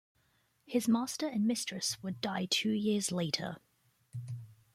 His master and mistress would die two years later.